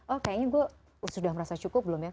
oh kayaknya gue sudah merasa cukup belum ya